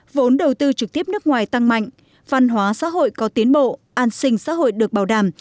vốn đầu tư trực tiếp nước ngoài tăng mạnh văn hóa xã hội có tiến bộ an sinh xã hội được bảo đảm